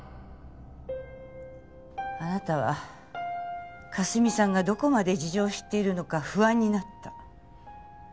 あなたは佳澄さんがどこまで事情を知っているのか不安になった。